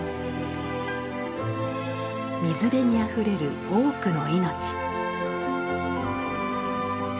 水辺にあふれる多くの命。